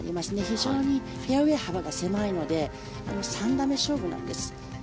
非常にフェアウェー幅が狭いので３打目勝負なんです。